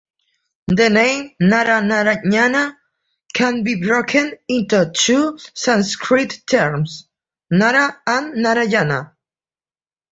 The name "Nara-Narayana" can be broken into two Sanskrit terms, "Nara" and "Narayana".